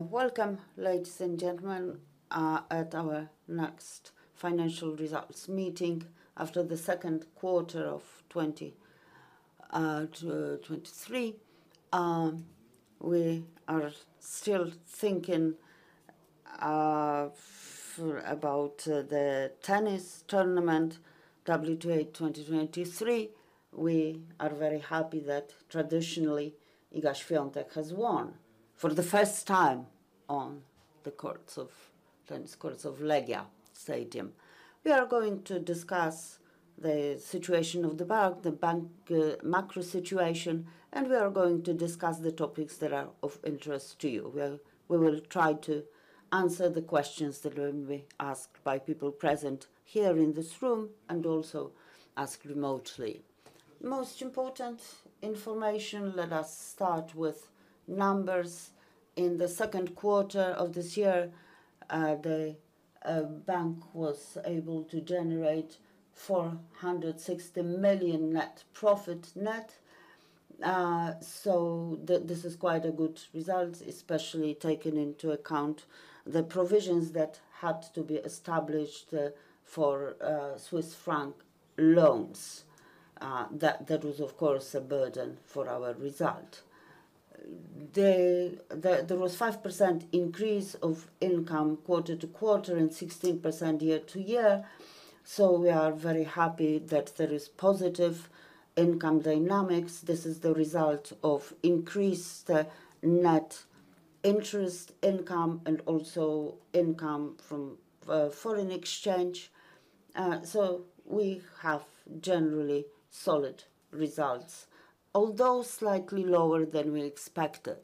Welcome, ladies and gentlemen, at our next financial results meeting after the second quarter of 2023. We are still thinking for about the tennis tournament, WTA 2023. We are very happy that traditionally, Iga Świątek has won for the first time on the tennis courts of Legia Tennis Centre. We are going to discuss the situation of the bank, the bank, macro situation, and we are going to discuss the topics that are of interest to you. We will try to answer the questions that will be asked by people present here in this room and also asked remotely. Most important information, let us start with numbers. In the second quarter of this year, the bank was able to generate 460 million net profit net. So this is quite a good result, especially taking into account the provisions that had to be established for Swiss franc loans. That, that was, of course, a burden for our result. The, the, there was 5% increase of income quarter-to-quarter and 16% year-to-year, so we are very happy that there is positive income dynamics. This is the result of increased net interest income and also income from foreign exchange. So we have generally solid results, although slightly lower than we expected.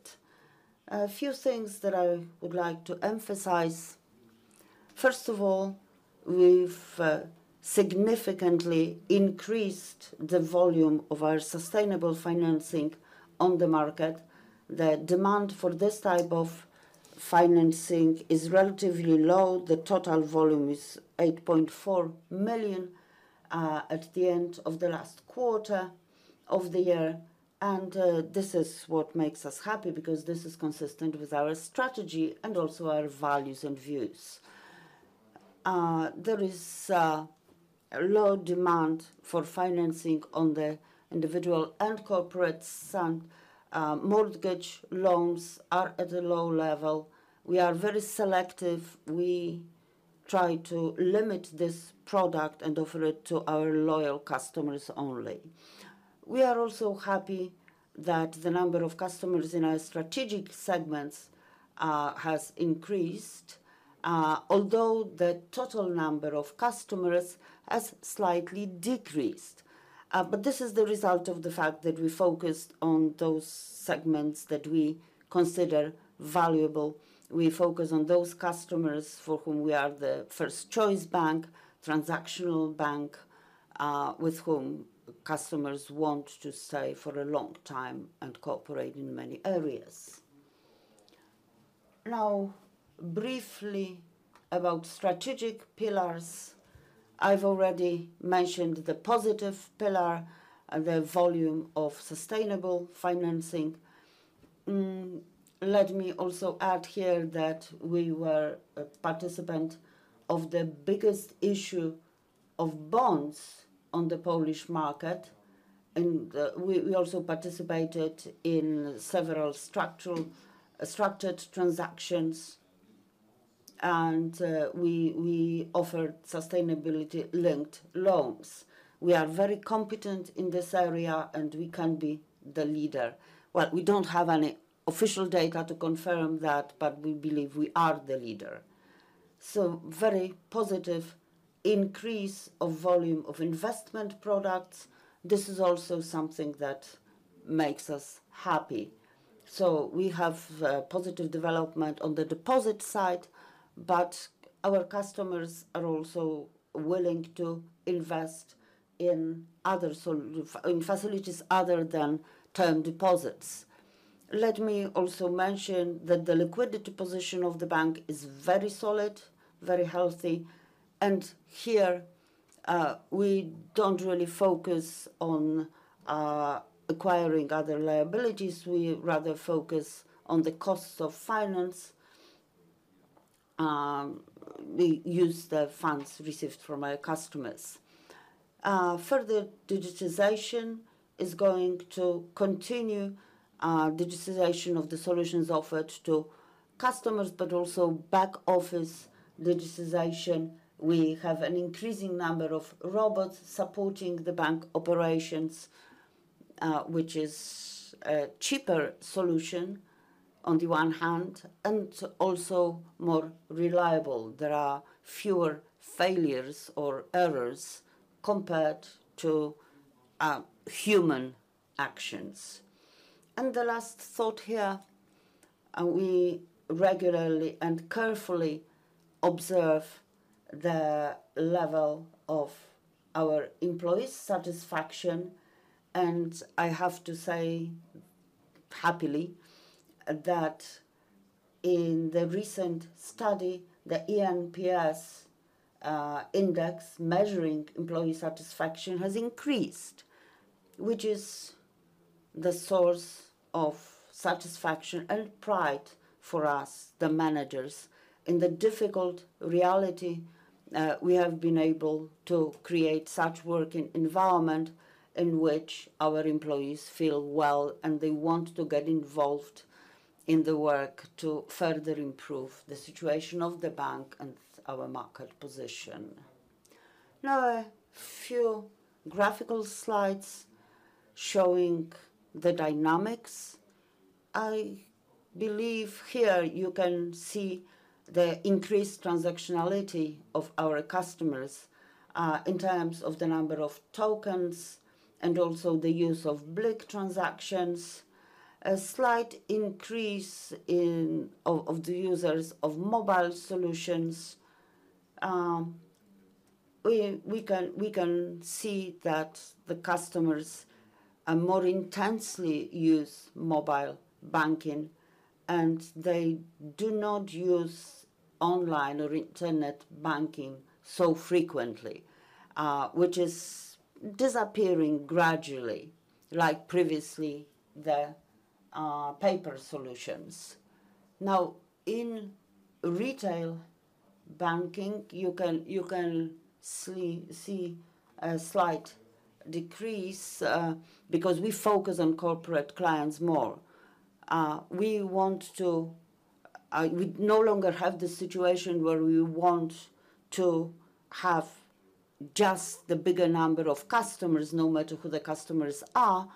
A few things that I would like to emphasize: First of all, we've significantly increased the volume of our sustainable financing on the market. The demand for this type of financing is relatively low. The total volume is 8.4 million at the end of the last quarter of the year. This is what makes us happy, because this is consistent with our strategy and also our values and views. There is a low demand for financing on the individual and corporate side. Mortgage loans are at a low level. We are very selective. We try to limit this product and offer it to our loyal customers only. We are also happy that the number of customers in our strategic segments has increased, although the total number of customers has slightly decreased. This is the result of the fact that we focused on those segments that we consider valuable. We focus on those customers for whom we are the first choice bank, transactional bank, with whom customers want to stay for a long time and cooperate in many areas. Now, briefly about strategic pillars. I've already mentioned the positive pillar and the volume of sustainable financing. Let me also add here that we were a participant of the biggest issue of bonds on the Polish market, and we, we also participated in several structural, structured transactions, and we, we offered sustainability-linked loans. We are very competent in this area, and we can be the leader. Well, we don't have any official data to confirm that, but we believe we are the leader. Very positive increase of volume of investment products. This is also something that makes us happy. We have positive development on the deposit side, but our customers are also willing to invest in other facilities other than term deposits. Let me also mention that the liquidity position of the bank is very solid, very healthy. Here, we don't really focus on acquiring other liabilities. We rather focus on the costs of finance. We use the funds received from our customers. Further digitization is going to continue, digitization of the solutions offered to customers, also back office digitization. We have an increasing number of robots supporting the bank operations, which is a cheaper solution on the one hand, also more reliable. There are fewer failures or errors compared to human actions. The last thought here, we regularly and carefully observe the level of our employees' satisfaction. I have to say, happily, that in the recent study, the eNPS index measuring employee satisfaction has increased, which is the source of satisfaction and pride for us, the managers. In the difficult reality, we have been able to create such working environment in which our employees feel well, and they want to get involved in the work to further improve the situation of the bank and our market position. Now, a few graphical slides showing the dynamics. I believe here you can see the increased transactionality of our customers in terms of the number of tokens and also the use of BLIK transactions. A slight increase in the users of mobile solutions. We can see that the customers more intensely use mobile banking, and they do not use online or internet banking so frequently, which is disappearing gradually, like previously, the paper solutions. Now, in retail banking, you can see a slight decrease because we focus on corporate clients more. We want to. We no longer have the situation where we want to have just the bigger number of customers, no matter who the customers are.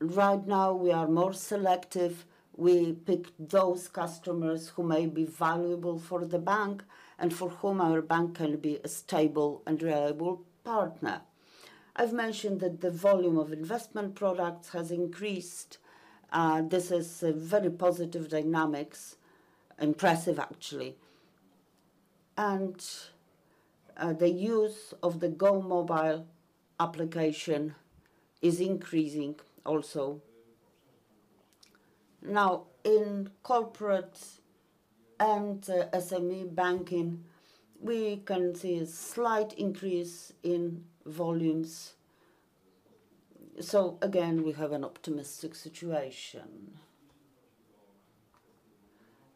Right now, we are more selective. We pick those customers who may be valuable for the bank and for whom our bank can be a stable and reliable partner. I've mentioned that the volume of investment products has increased. This is a very positive dynamics. Impressive, actually. The use of the GOmobile application is increasing also. Now, in corporate and SME banking, we can see a slight increase in volumes. Again, we have an optimistic situation.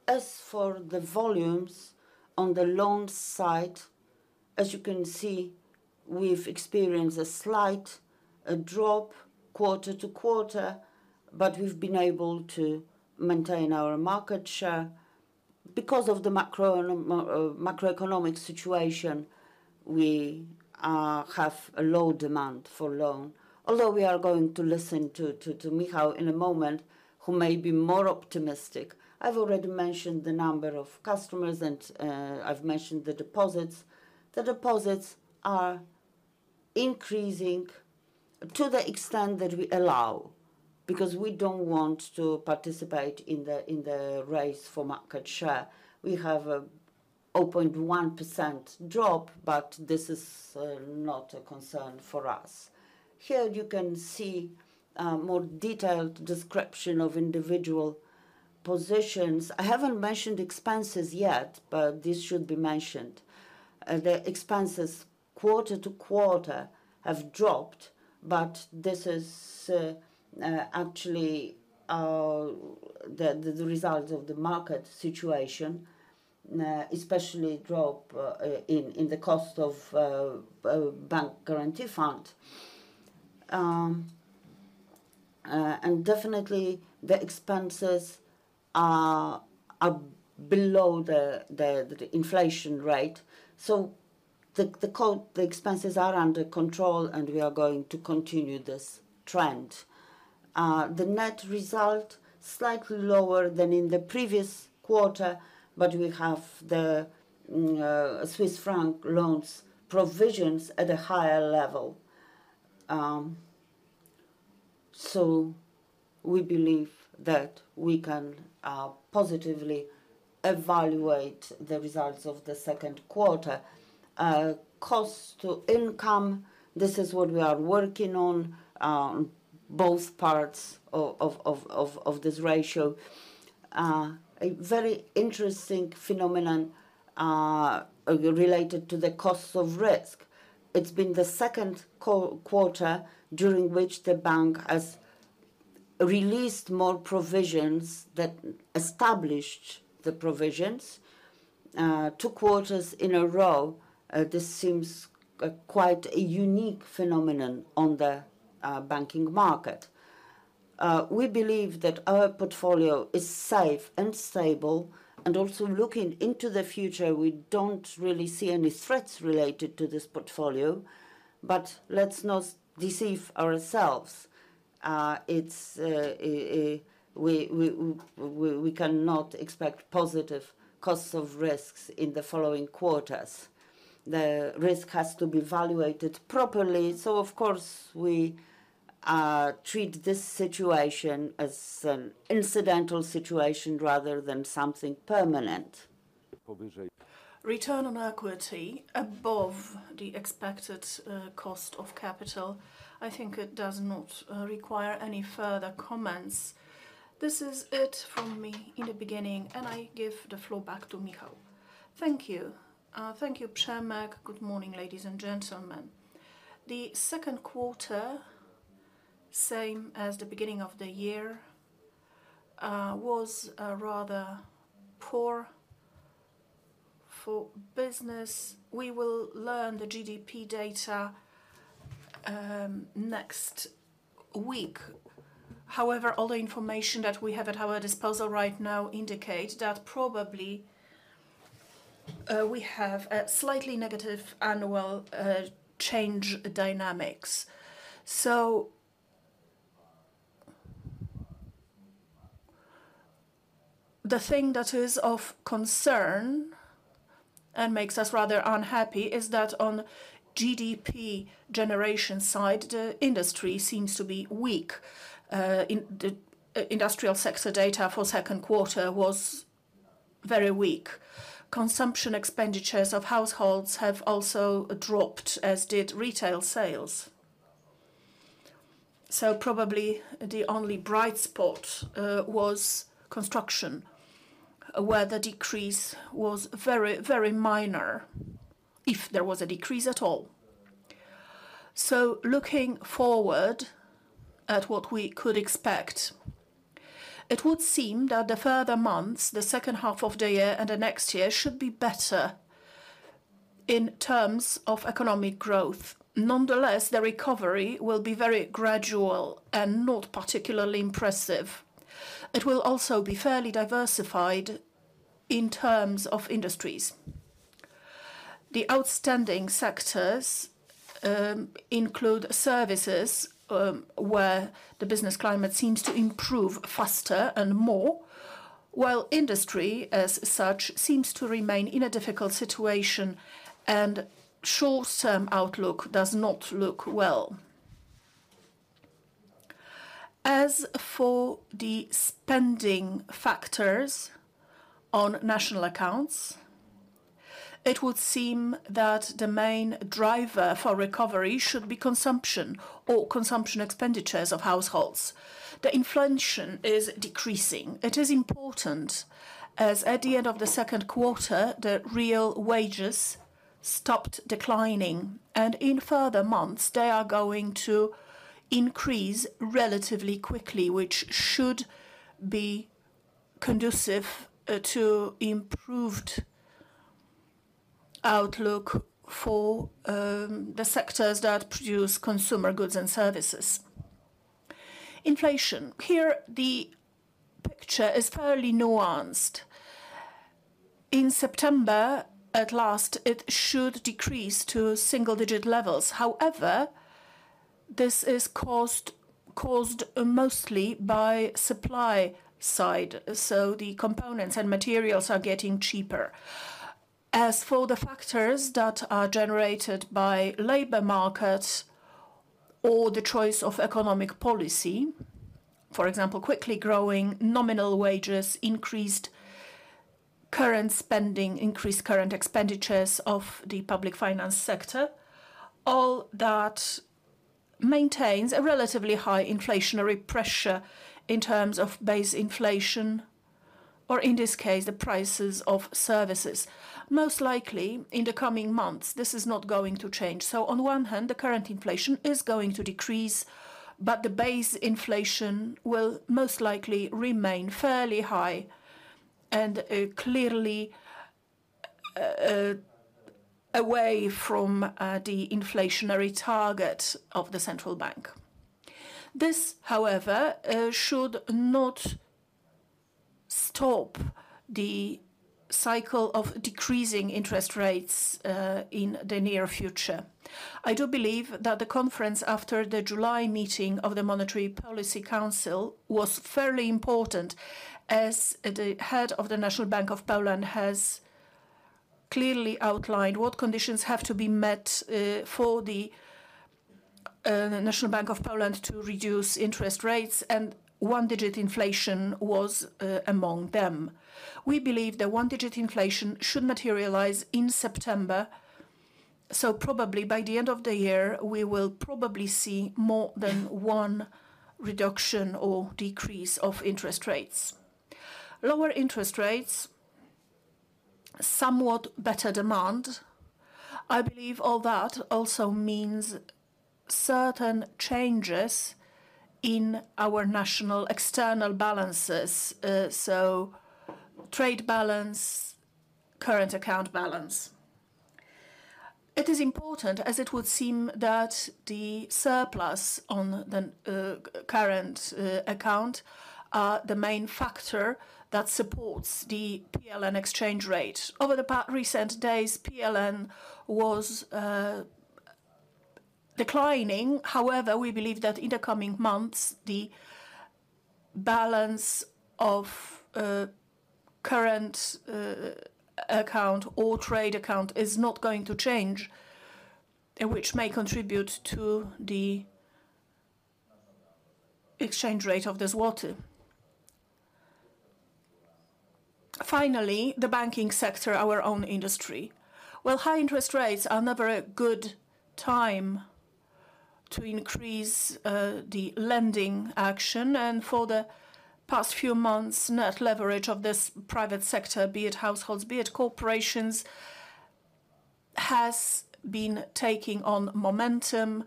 As for the volumes on the loan side, as you can see, we've experienced a slight drop quarter to quarter, but we've been able to maintain our market share. Because of the macro and macroeconomic situation, we have a low demand for loan. Although we are going to listen to Michał in a moment, who may be more optimistic. I've already mentioned the number of customers, and I've mentioned the deposits. The deposits are increasing to the extent that we allow, because we don't want to participate in the race for market share. We have a 0.1% drop, but this is not a concern for us. Here you can see a more detailed description of individual positions. I haven't mentioned expenses yet, but this should be mentioned. The expenses quarter-over-quarter have dropped, but this is actually the result of the market situation, especially drop in the cost of Bank Guarantee Fund. Definitely, the expenses are, are below the, the, the inflation rate. The expenses are under control, and we are going to continue this trend. The net result, slightly lower than in the previous quarter, but we have the Swiss franc loans provisions at a higher level. We believe that we can positively evaluate the results of the second quarter. Cost to income, this is what we are working on, both parts of this ratio. A very interesting phenomenon, related to the costs of risk. It's been the second quarter during which the bank has released more provisions than established the provisions. Two quarters in a row, this seems quite a unique phenomenon on the banking market. We believe that our portfolio is safe and stable, also looking into the future, we don't really see any threats related to this portfolio. Let's not deceive ourselves. It's, we cannot expect positive costs of risks in the following quarters. The risk has to be evaluated properly, of course, we treat this situation as an incidental situation rather than something permanent. Return on equity above the expected cost of capital, I think it does not require any further comments. This is it from me in the beginning. I give the floor back to Michał. Thank you. Thank you, Przemek. Good morning, ladies and gentlemen. The second quarter, same as the beginning of the year, was rather poor for business. We will learn the GDP data next week. All the information that we have at our disposal right now indicate that probably, we have a slightly negative annual change dynamics. The thing that is of concern and makes us rather unhappy is that on GDP generation side, the industry seems to be weak. In the industrial sector, data for second quarter was very weak. Consumption expenditures of households have also dropped, as did retail sales. Probably the only bright spot was construction, where the decrease was very, very minor, if there was a decrease at all. Looking forward at what we could expect, it would seem that the further months, the second half of the year and the next year, should be better in terms of economic growth. Nonetheless, the recovery will be very gradual and not particularly impressive. It will also be fairly diversified in terms of industries. The outstanding sectors include services, where the business climate seems to improve faster and more, while industry as such, seems to remain in a difficult situation, and short-term outlook does not look well. As for the spending factors on national accounts, it would seem that the main driver for recovery should be consumption or consumption expenditures of households. The inflation is decreasing. It is important, as at the end of the second quarter, the real wages stopped declining, and in further months they are going to increase relatively quickly, which should be conducive to improved outlook for the sectors that produce consumer goods and services. Inflation. Here, the picture is fairly nuanced. In September, at last, it should decrease to single-digit levels. However, this is caused, caused mostly by supply side, so the components and materials are getting cheaper. As for the factors that are generated by labor markets or the choice of economic policy, for example, quickly growing nominal wages, increased current spending, increased current expenditures of the public finance sector, all that maintains a relatively high inflationary pressure in terms of base inflation, or in this case, the prices of services. Most likely, in the coming months, this is not going to change. On one hand, the current inflation is going to decrease, but the base inflation will most likely remain fairly high and clearly away from the inflationary target of the central bank. This, however, should not stop the cycle of decreasing interest rates in the near future. I do believe that the conference after the July meeting of the Monetary Policy Council was fairly important, as the head of the National Bank of Poland has clearly outlined what conditions have to be met for the National Bank of Poland to reduce interest rates, and one-digit inflation was among them. We believe the one-digit inflation should materialize in September, so probably by the end of the year, we will probably see more than one reduction or decrease of interest rates. Lower interest rates, somewhat better demand. I believe all that also means certain changes in our national external balances, so trade balance, current account balance. It is important as it would seem that the surplus on the current account are the main factor that supports the PLN exchange rate. Over the recent days, PLN was declining. However, we believe that in the coming months, the balance of current account or trade account is not going to change, which may contribute to the exchange rate of the zloty. Finally, the banking sector, our own industry. Well, high interest rates are never a good time to increase the lending action. For the past few months, net leverage of this private sector, be it households, be it corporations, has been taking on momentum.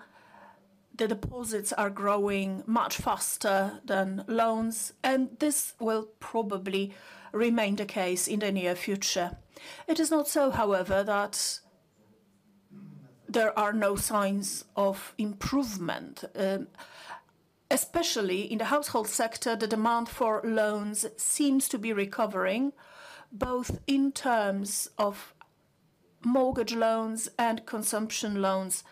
The deposits are growing much faster than loans, and this will probably remain the case in the near future. It is not so, however, that there are no signs of improvement. Especially in the household sector, the demand for loans seems to be recovering, both in terms of mortgage loans and consumption loans.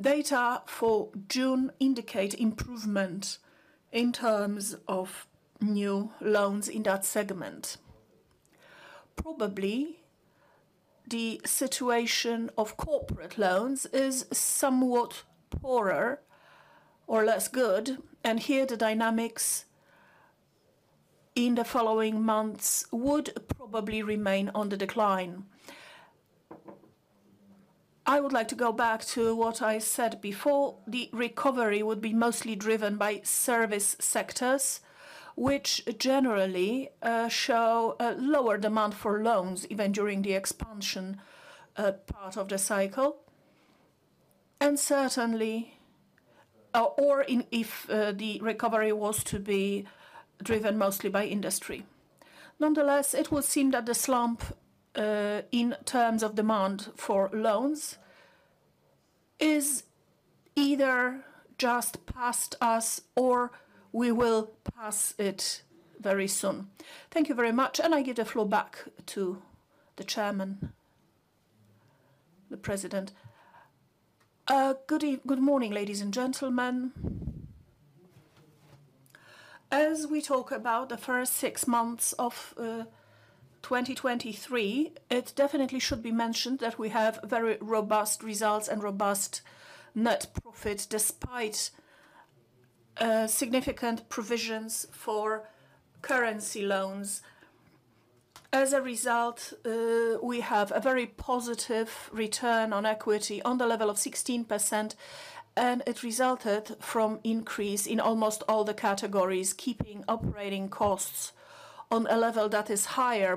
Data for June indicate improvement in terms of new loans in that segment. Probably, the situation of corporate loans is somewhat poorer or less good, and here the dynamics in the following months would probably remain on the decline. I would like to go back to what I said before, the recovery would be mostly driven by service sectors, which generally show a lower demand for loans, even during the expansion part of the cycle, and certainly, if the recovery was to be driven mostly by industry. Nonetheless, it would seem that the slump in terms of demand for loans is either just past us or we will pass it very soon. Thank you very much. I give the floor back to the Chairman, the President. Good morning, ladies and gentlemen. As we talk about the first six months of 2023, it definitely should be mentioned that we have very robust results and robust net profit, despite significant provisions for currency loans. As a result, we have a very positive return on equity on the level of 16%, and it resulted from increase in almost all the categories, keeping operating costs on a level that is higher,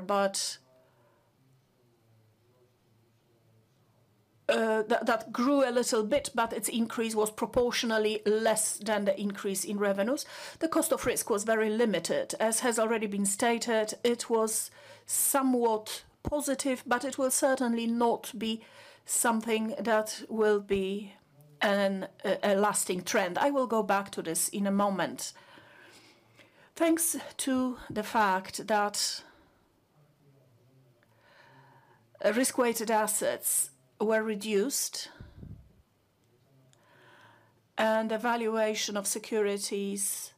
but that grew a little bit, but its increase was proportionally less than the increase in revenues. The cost of risk was very limited. As has already been stated, it was somewhat positive, but it will certainly not be something that will be a lasting trend. I will go back to this in a moment. Thanks to the fact that risk-weighted assets were reduced and evaluation of securities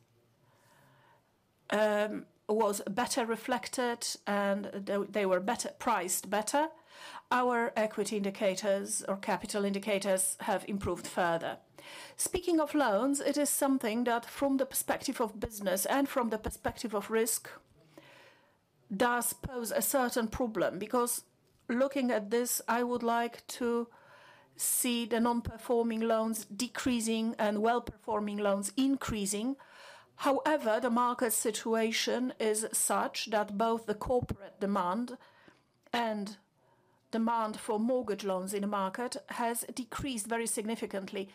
was better reflected, and they were priced better, our equity indicators or capital indicators have improved further. Speaking of loans, it is something that from the perspective of business and from the perspective of risk, does pose a certain problem. Looking at this, I would like to see the non-performing loans decreasing and well-performing loans increasing. However, the market situation is such that both the corporate demand and demand for mortgage loans in the market has decreased very significantly.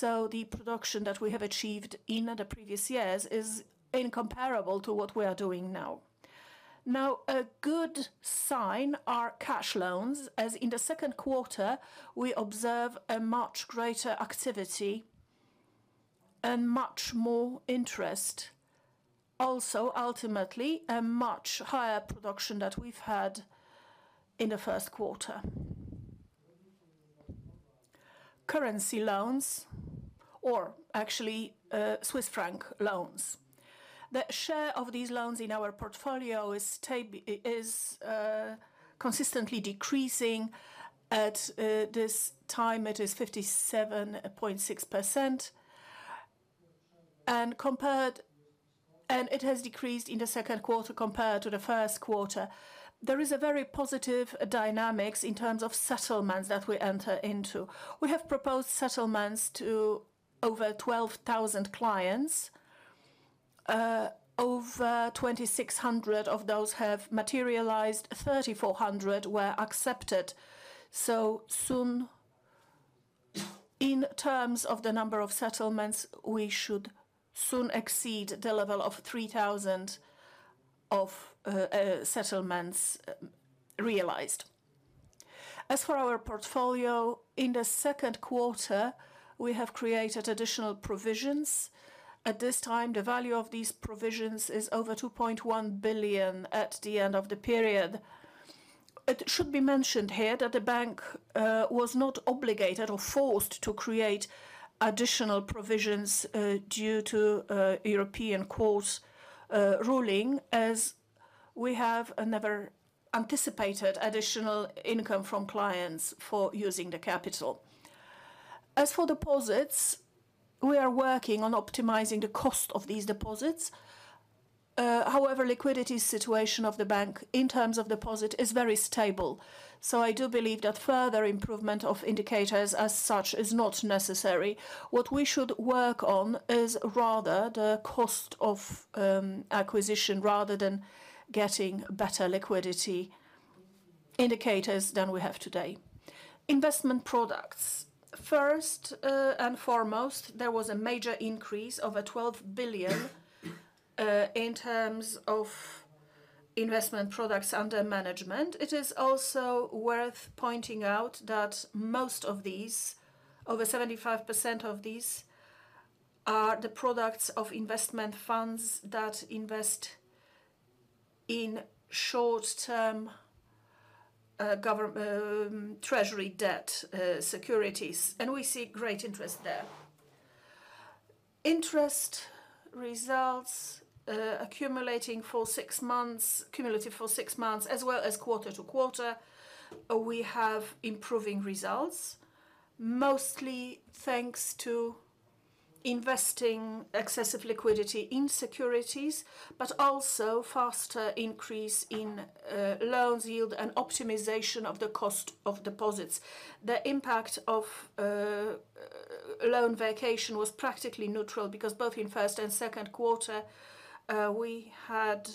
The production that we have achieved in the previous years is incomparable to what we are doing now. A good sign are cash loans, as in the second quarter, we observe a much greater activity and much more interest. Ultimately, a much higher production than we've had in the first quarter. Currency loans, or actually, Swiss franc loans. The share of these loans in our portfolio is consistently decreasing. At this time, it is 57.6%, and it has decreased in the second quarter compared to the first quarter. There is a very positive dynamics in terms of settlements that we enter into. We have proposed settlements to over 12,000 clients. Over 2,600 of those have materialized, 3,400 were accepted. Soon, in terms of the number of settlements, we should soon exceed the level of 3,000 of settlements realized. As for our portfolio, in the second quarter, we have created additional provisions. At this time, the value of these provisions is over 2.1 billion at the end of the period. It should be mentioned here that the bank was not obligated or forced to create additional provisions due to a European Court's ruling, as we have another anticipated additional income from clients for using the capital. As for deposits, we are working on optimizing the cost of these deposits. However, liquidity situation of the bank in terms of deposit is very stable. I do believe that further improvement of indicators as such is not necessary. What we should work on is rather the cost of acquisition, rather than getting better liquidity indicators than we have today. Investment products. First, and foremost, there was a major increase of 12 billion in terms of investment products under management. It is also worth pointing out that most of these, over 75% of these, are the products of investment funds that invest in short-term treasury debt securities, and we see great interest there. Interest results accumulating for six months, cumulative for six months as well as quarter-to-quarter, we have improving results, mostly thanks to investing excessive liquidity in securities, but also faster increase in loans yield and optimization of the cost of deposits. The impact of loan vacation was practically neutral, because both in first and second quarter, we had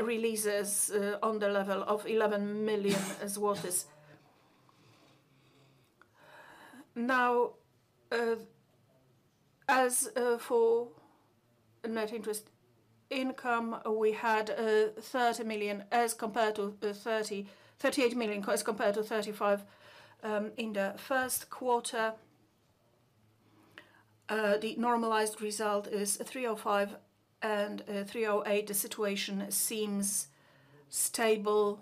releases on the level of 11 million. Now, as for net interest income, we had 30 million as compared to 38 million as compared to 35 million in the first quarter. The normalized result is 305 million and 308 million. The situation seems stable.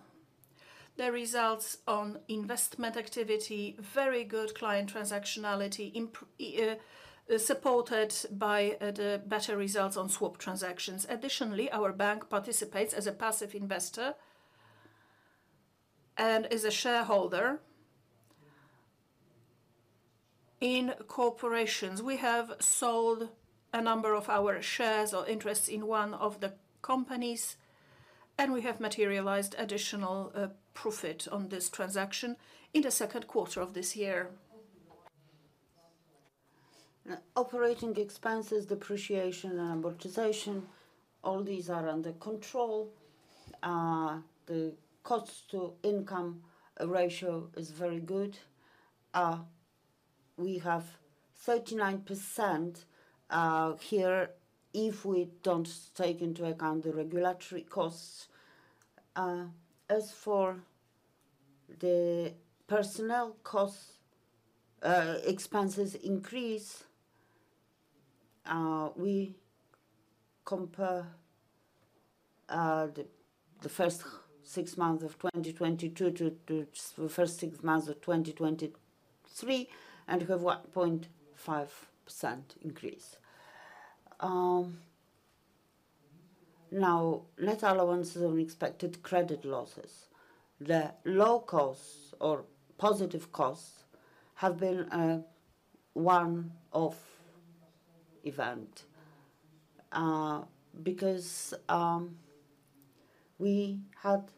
The results on investment activity, very good client transactionality, supported by the better results on swap transactions. Additionally, our bank participates as a passive investor and as a shareholder in corporations. We have sold a number of our shares or interests in one of the companies, and we have materialized additional profit on this transaction in the second quarter of this year. Operating expenses, depreciation, and amortization, all these are under control. The cost to income ratio is very good. We have 39% here, if we don't take into account the regulatory costs. As for the personnel costs, expenses increase, we compare the first six months of 2022 to the first six months of 2023, and we have 1.5% increase. Now, net allowances on expected credit losses. The low costs or positive costs have been a one-off event because we had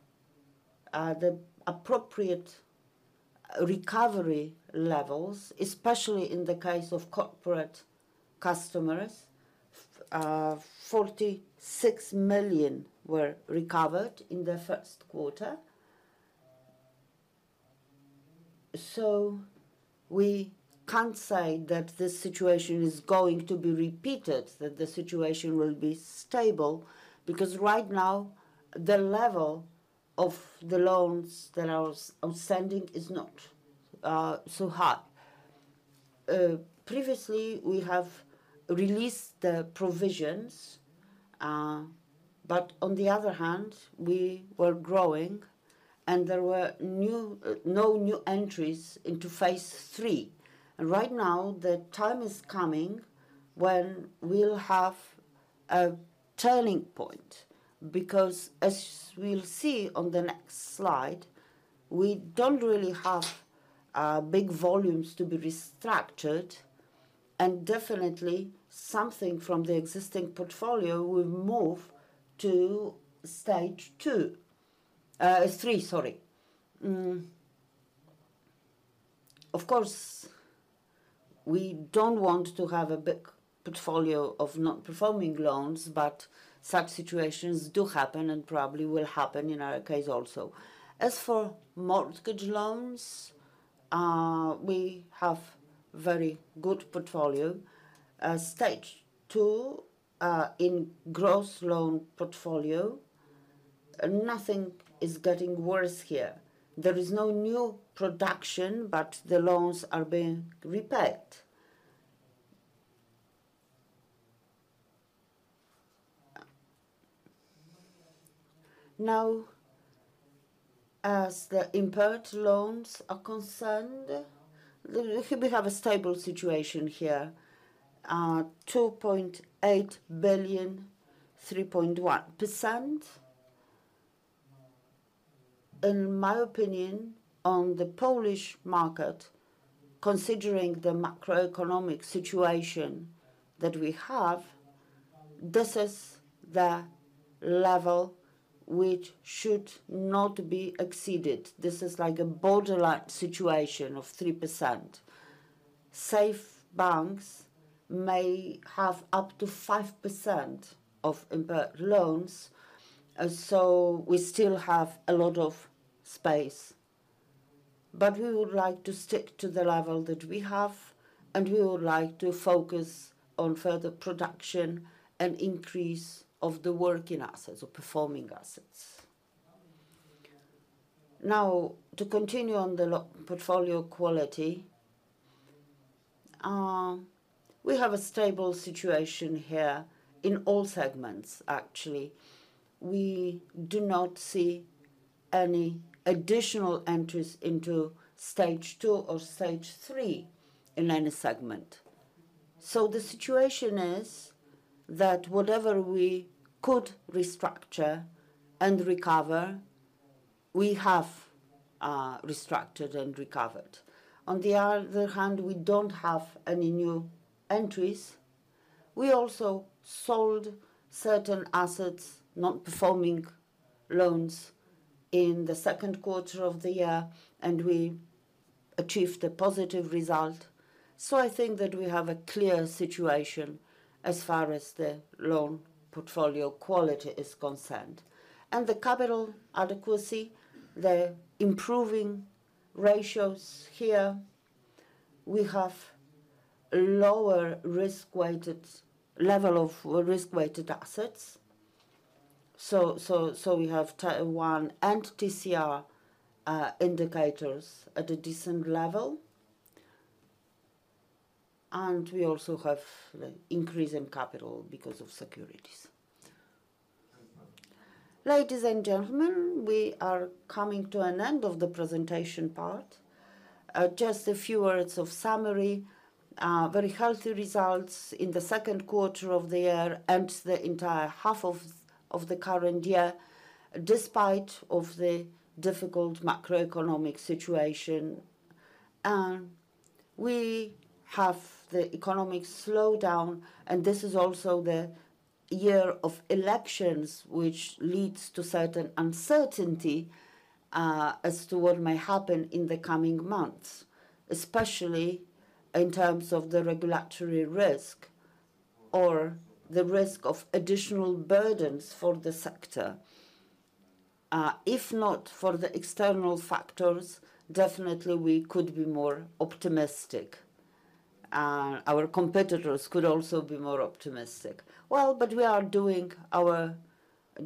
the appropriate recovery levels, especially in the case of corporate customers. 46 million were recovered in the first quarter. We can't say that this situation is going to be repeated, that the situation will be stable, because right now the level of the loans that are outstanding is not so high. Previously, we have released the provisions, but on the other hand, we were growing and there were no new entries into Stage 3. Right now, the time is coming when we'll have a turning point, because as we'll see on the next slide, we don't really have big volumes to be restructured, and definitely something from the existing portfolio will move to Stage 2, Stage 3, sorry. Of course, we don't want to have a big portfolio of not performing loans, but such situations do happen and probably will happen in our case also. As for mortgage loans, we have very good portfolio, Stage 2, in gross loan portfolio. Nothing is getting worse here. There is no new production, but the loans are being repaid. Now, as the impaired loans are concerned, we, we have a stable situation here, PLN 2.8 billion, 3.1%. In my opinion, on the Polish market, considering the macroeconomic situation that we have, this is the level which should not be exceeded. This is like a borderline situation of 3%. Safe banks may have up to 5% of impaired loans. We still have a lot of space. We would like to stick to the level that we have, and we would like to focus on further production and increase of the working assets or performing assets. To continue on the portfolio quality, we have a stable situation here in all segments, actually. We do not see any additional entries into Stage 2 or Stage 3 in any segment. The situation is that whatever we could restructure and recover, we have restructured and recovered. On the other hand, we don't have any new entries. We also sold certain assets, not performing loans, in the second quarter of the year, and we achieved a positive result. I think that we have a clear situation as far as the loan portfolio quality is concerned. The capital adequacy, the improving ratios here, we have lower level of risk-weighted assets. We have Tier 1 and TCR indicators at a decent level, and we also have increase in capital because of securities. Ladies and gentlemen, we are coming to an end of the presentation part. Just a few words of summary. Very healthy results in the second quarter of the year and the entire half of, of the current year, despite of the difficult macroeconomic situation. We have the economic slowdown, and this is also the year of elections, which leads to certain uncertainty as to what may happen in the coming months, especially in terms of the regulatory risk or the risk of additional burdens for the sector. If not for the external factors, definitely we could be more optimistic, and our competitors could also be more optimistic. We are doing our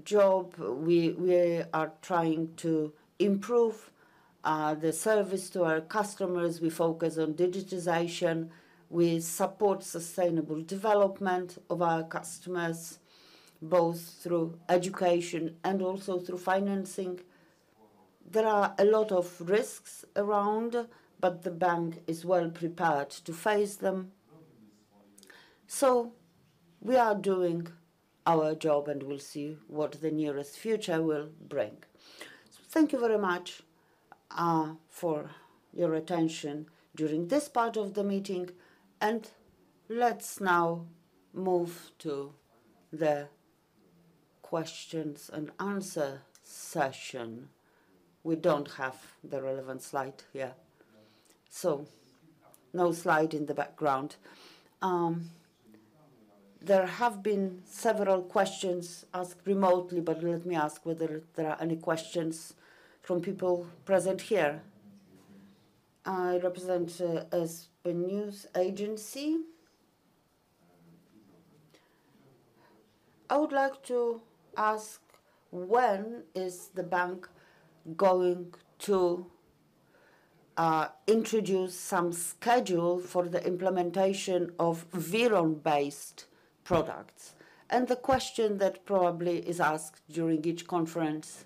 job. We are trying to improve the service to our customers. We focus on digitization. We support sustainable development of our customers, both through education and also through financing. There are a lot of risks around, but the bank is well prepared to face them. We are doing our job, and we'll see what the nearest future will bring. Thank you very much for your attention during this part of the meeting, and let's now move to the questions and answer session. We don't have the relevant slide here, so no slide in the background. There have been several questions asked remotely, but let me ask whether there are any questions from people present here. I represent as a news agency. I would like to ask, when is the bank going to introduce some schedule for the implementation of WIRON-based products? The question that probably is asked during each conference,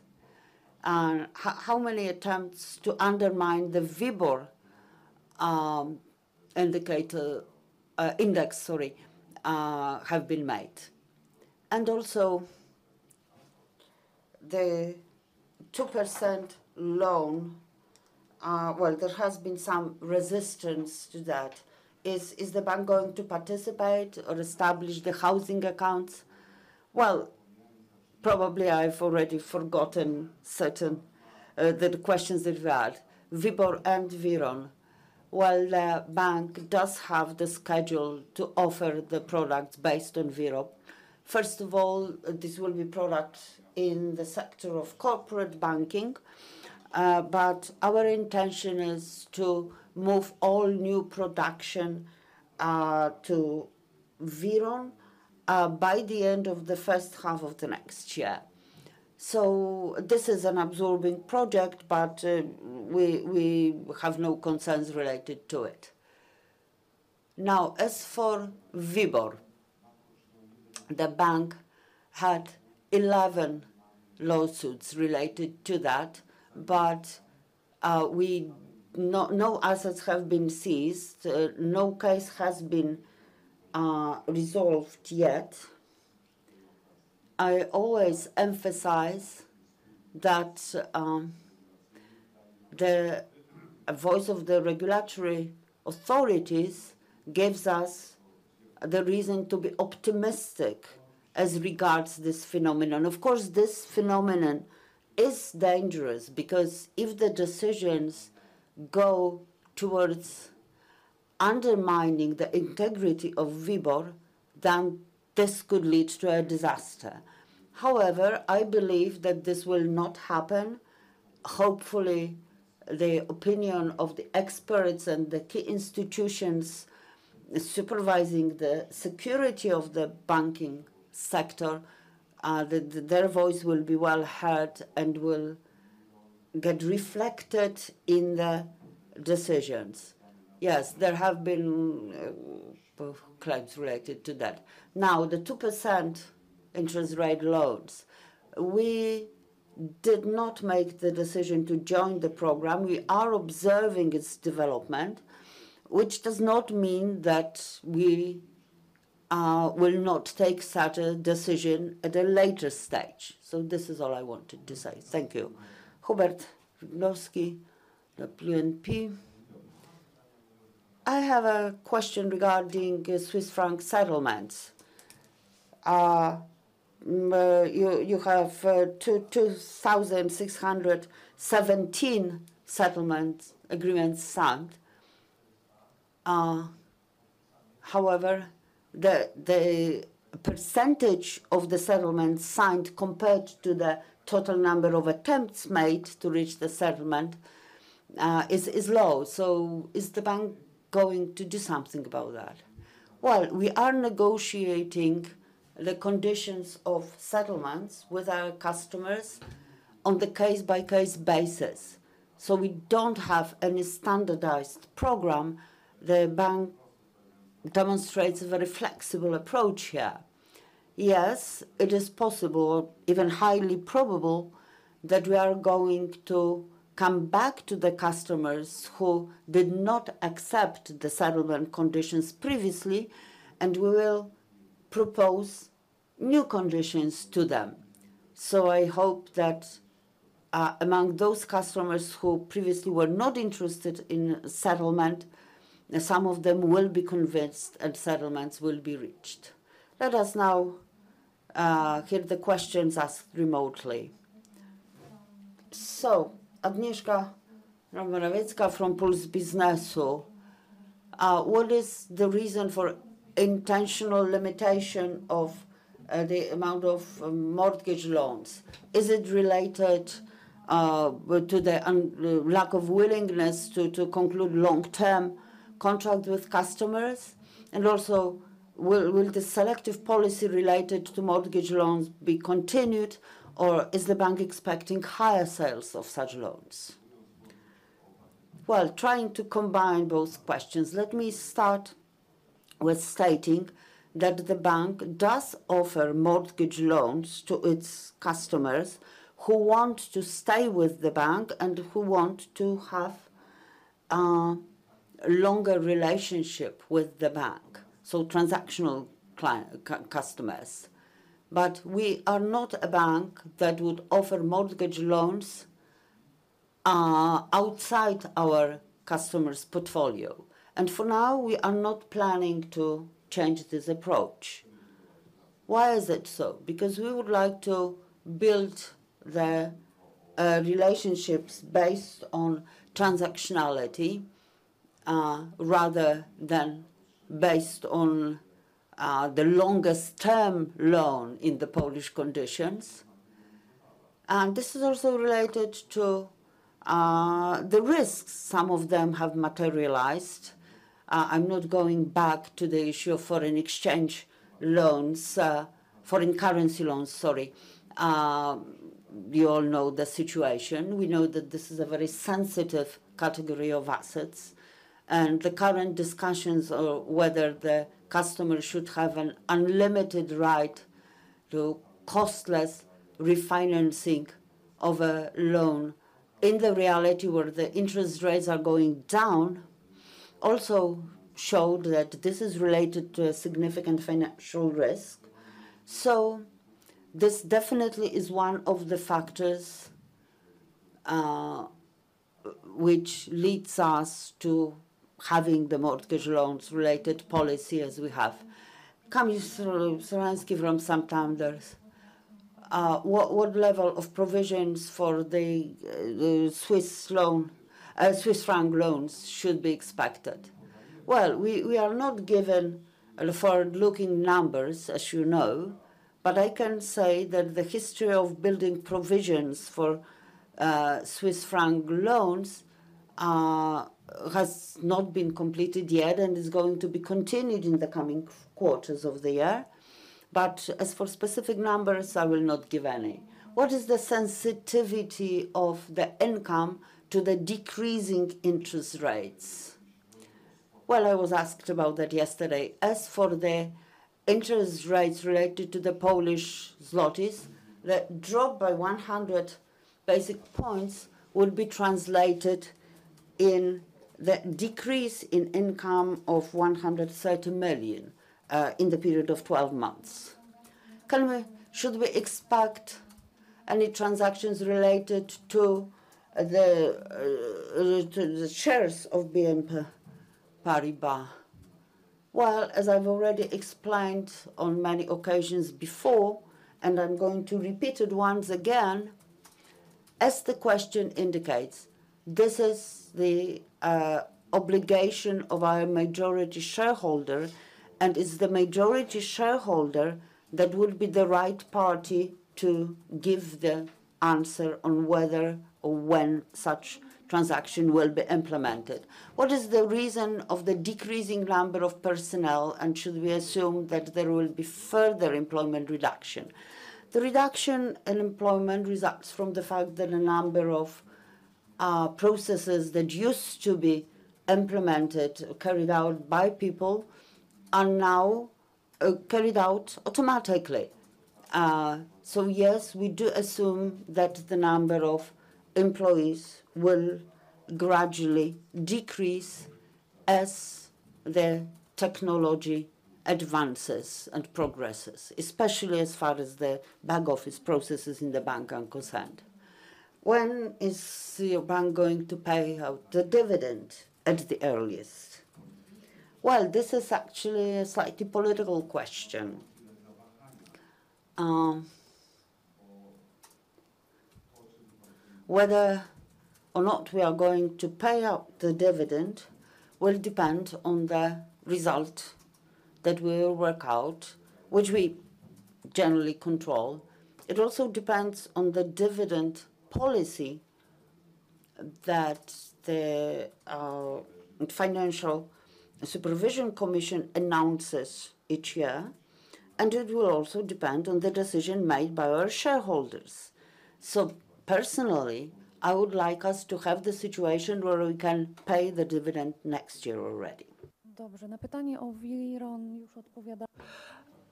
how many attempts to undermine the WIBOR indicator, index, sorry, have been made? Also the 2% loan, well, there has been some resistance to that. Is the bank going to participate or establish the housing accounts? Well, probably I've already forgotten certain the questions that were asked. WIBOR and WIRON. Well, the bank does have the schedule to offer the product based on WIRON. First of all, this will be product in the sector of corporate banking, but our intention is to move all new production to WIRON by the end of the first half of the next year. This is an absorbing project, but we have no concerns related to it. Now, as for WIBOR, the bank had 11 lawsuits related to that, but no assets have been seized. No case has been resolved yet. I always emphasize that the voice of the regulatory authorities gives us the reason to be optimistic as regards this phenomenon. Of course, this phenomenon is dangerous, because if the decisions go towards undermining the integrity of WIBOR, then this could lead to a disaster. However, I believe that this will not happen. Hopefully, the opinion of the experts and the key institutions supervising the security of the banking sector, their voice will be well heard and will get reflected in the decisions. Yes, there have been claims related to that. Now, the 2% interest rate loans. We did not make the decision to join the program. We are observing its development, which does not mean that we will not take such a decision at a later stage. This is all I wanted to say. Thank you. Uncertain, the uncertain: I have a question regarding Swiss franc settlements. You have 2,617 settlement agreements signed. However, the percentage of the settlements signed compared to the total number of attempts made to reach the settlement is low. Is the bank going to do something about that? Well, we are negotiating the conditions of settlements with our customers on the case-by-case basis, so we don't have any standardized program. The bank demonstrates a very flexible approach here. Yes, it is possible, even highly probable, that we are going to come back to the customers who did not accept the settlement conditions previously, and we will propose new conditions to them. I hope that among those customers who previously were not interested in settlement, some of them will be convinced and settlements will be reached. Let us now hear the questions asked remotely. Agnieszka Romanowicz from Puls Biznesu: What is the reason for intentional limitation of the amount of mortgage loans? Is it related to the lack of willingness to conclude long-term contract with customers? Will, will the selective policy related to mortgage loans be continued, or is the bank expecting higher sales of such loans? Trying to combine both questions, let me start with stating that the bank does offer mortgage loans to its customers who want to stay with the bank and who want to have a longer relationship with the bank, so transactional customers. We are not a bank that would offer mortgage loans outside our customers' portfolio, and for now, we are not planning to change this approach. Why is it so? Because we would like to build the relationships based on transactionality rather than based on the longest term loan in the Polish conditions. This is also related to the risks some of them have materialized. I'm not going back to the issue of foreign exchange loans, foreign currency loans, sorry. We all know the situation. We know that this is a very sensitive category of assets, and the current discussions on whether the customer should have an unlimited right to costless refinancing of a loan in the reality where the interest rates are going down, also showed that this is related to a significant financial risk. This definitely is one of the factors which leads us to having the mortgage loans related policy as we have. What, what level of provisions for the Swiss loan, Swiss franc loans should be expected? Well, we, we are not given forward-looking numbers, as you know, but I can say that the history of building provisions for Swiss franc loans has not been completed yet and is going to be continued in the coming quarters of the year. As for specific numbers, I will not give any. What is the sensitivity of the income to the decreasing interest rates? Well, I was asked about that yesterday. As for the interest rates related to the Polish zlotys, the drop by 100 basic points will be translated in the decrease in income of 130 million in the period of 12 months. Should we expect any transactions related to the shares of BNP Paribas? Well, as I've already explained on many occasions before, and I'm going to repeat it once again, as the question indicates, this is the obligation of our majority shareholder, and it's the majority shareholder that will be the right party to give the answer on whether or when such transaction will be implemented. What is the reason of the decreasing number of personnel, and should we assume that there will be further employment reduction? The reduction in employment results from the fact that a number of processes that used to be implemented or carried out by people are now carried out automatically. Yes, we do assume that the number of employees will gradually decrease as the technology advances and progresses, especially as far as the back office processes in the bank are concerned. When is your bank going to pay out the dividend at the earliest? Well, this is actually a slightly political question. Whether or not we are going to pay out the dividend will depend on the result that we will work out, which we generally control. It also depends on the dividend policy that the Financial Supervision Commission announces each year, and it will also depend on the decision made by our shareholders. Personally, I would like us to have the situation where we can pay the dividend next year already.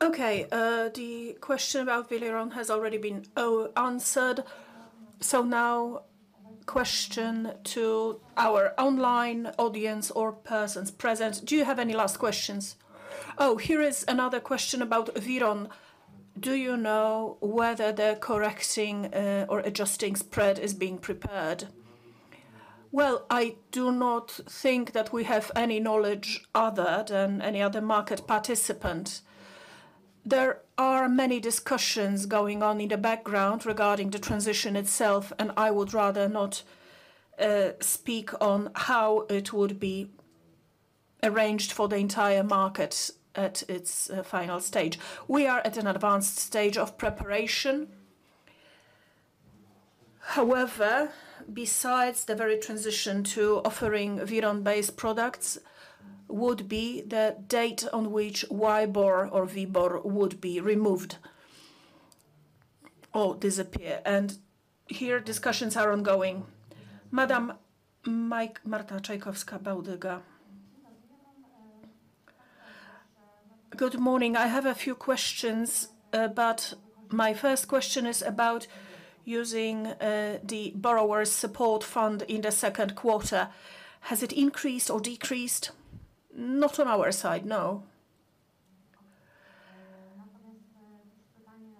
Okay, the question about WIRON has already been answered. Now question to our online audience or persons present, do you have any last questions? Oh, here is another question about WIRON. Do you know whether the correcting or adjusting spread is being prepared? Well, I do not think that we have any knowledge other than any other market participant. There are many discussions going on in the background regarding the transition itself, and I would rather not speak on how it would be arranged for the entire market at its final stage. We are at an advanced stage of preparation. However, besides the very transition to offering WIRON-based products would be the date on which WIBOR or WIBOR would be removed or disappear, and here discussions are ongoing. Madam Marta Czajkowska-Bałdyga. Good morning. I have a few questions, but my first question is about using the Borrowers' Support Fund in the second quarter. Has it increased or decreased? Not on our side, no.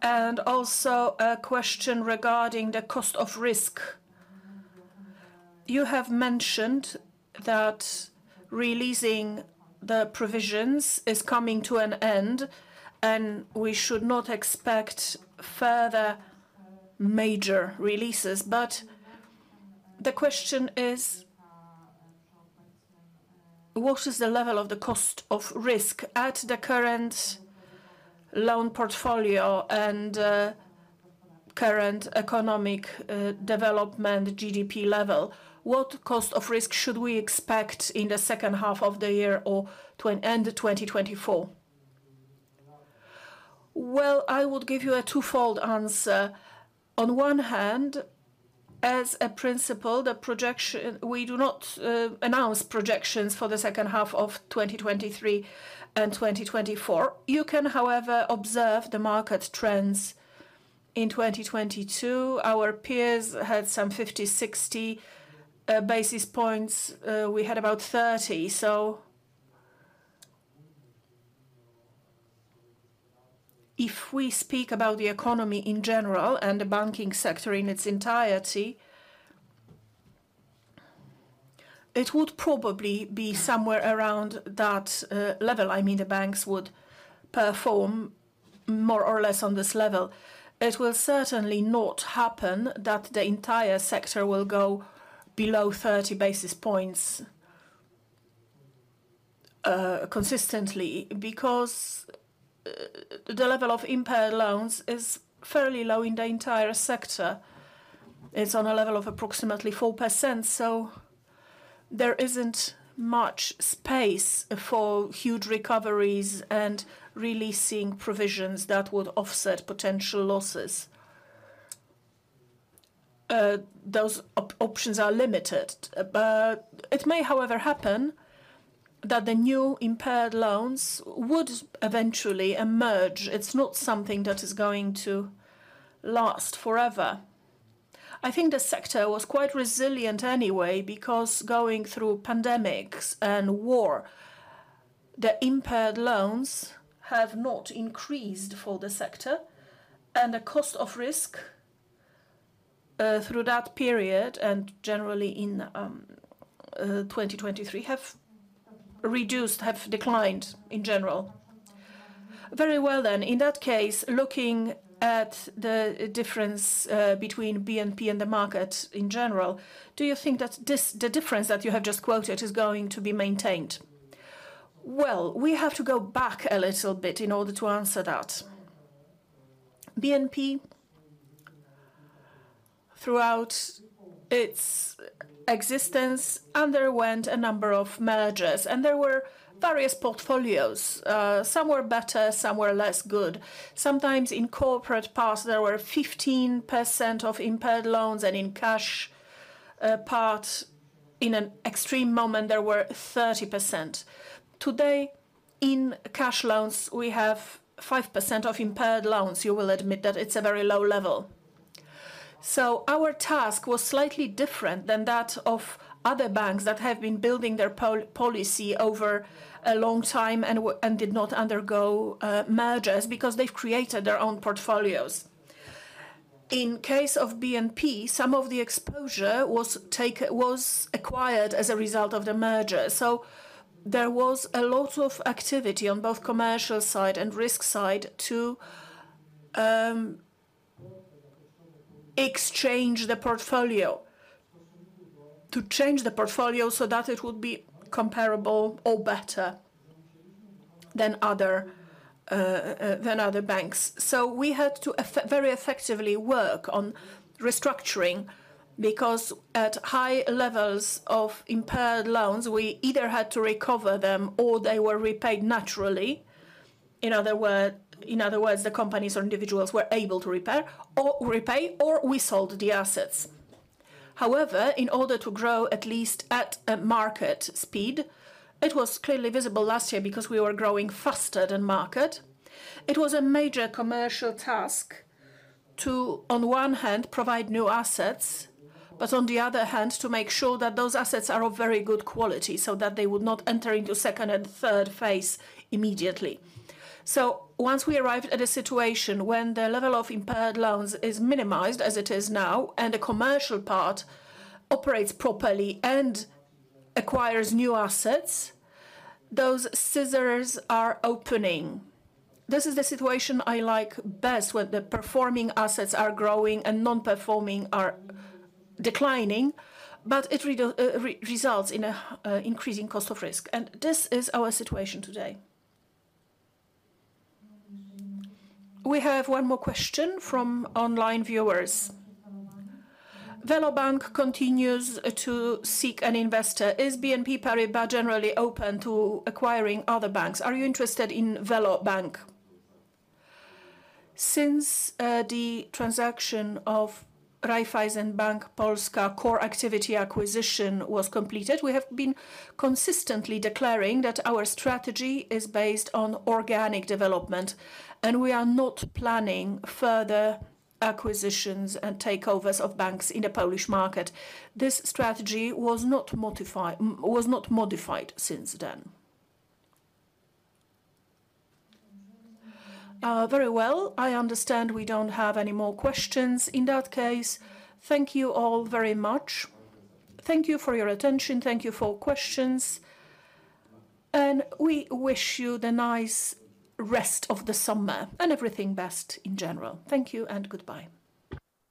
Also a question regarding the cost of risk. You have mentioned that releasing the provisions is coming to an end, and we should not expect further major releases. The question is: what is the level of the cost of risk at the current loan portfolio and current economic development GDP level? What cost of risk should we expect in the second half of the year or end of 2024? Well, I would give you a twofold answer. On one hand, as a principle, the projection we do not announce projections for the second half of 2023 and 2024. You can, however, observe the market trends in 2022. Our peers had some 50, 60 basis points. We had about 30. If we speak about the economy in general and the banking sector in its entirety, it would probably be somewhere around that level. I mean, the banks would perform more or less on this level. It will certainly not happen that the entire sector will go below 30 basis points consistently, because the level of impaired loans is fairly low in the entire sector. It's on a level of approximately 4%, so there isn't much space for huge recoveries and releasing provisions that would offset potential losses. Those options are limited, but it may, however, happen. That the new impaired loans would eventually emerge. It's not something that is going to last forever. I think the sector was quite resilient anyway because going through pandemics and war, the impaired loans have not increased for the sector, and the cost of risk, through that period and generally in 2023, have reduced, have declined in general. Very well then. In that case, looking at the difference between BNP and the market in general, do you think that this, the difference that you have just quoted is going to be maintained? Well, we have to go back a little bit in order to answer that. BNP, throughout its existence, underwent a number of mergers, and there were various portfolios. Some were better, some were less good. Sometimes in corporate parts, there were 15% of impaired loans, and in cash parts, in an extreme moment, there were 30%. Today, in cash loans, we have 5% of impaired loans. You will admit that it's a very low level. Our task was slightly different than that of other banks that have been building their policy over a long time and did not undergo mergers because they've created their own portfolios. In case of BNP, some of the exposure was acquired as a result of the merger. There was a lot of activity on both commercial side and risk side to exchange the portfolio, to change the portfolio so that it would be comparable or better than other than other banks. We had to very effectively work on restructuring because at high levels of impaired loans, we either had to recover them or they were repaid naturally. In other words, the companies or individuals were able to repair, or repay, or we sold the assets. However, in order to grow at least at a market speed, it was clearly visible last year because we were growing faster than market. It was a major commercial task to, on one hand, provide new assets, but on the other hand, to make sure that those assets are of very good quality so that they would not enter into second and third phase immediately. Once we arrived at a situation when the level of impaired loans is minimized, as it is now, and the commercial part operates properly and acquires new assets, those scissors are opening. This is the situation I like best, where the performing assets are growing and non-performing are declining, but it results in an increasing cost of risk. This is our situation today. We have one more question from online viewers. VeloBank continues to seek an investor. Is BNP Paribas generally open to acquiring other banks? Are you interested in VeloBank? Since the transaction of Raiffeisen Bank Polska core activity acquisition was completed, we have been consistently declaring that our strategy is based on organic development, and we are not planning further acquisitions and takeovers of banks in the Polish market. This strategy was not modified since then. Very well. I understand we don't have any more questions. In that case, thank you all very much. Thank you for your attention. Thank you for questions, and we wish you the nice rest of the summer and everything best in general. Thank you and goodbye.